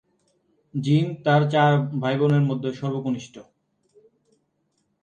জিন তার চার ভাইবোনের মধ্যে সর্বকনিষ্ঠ।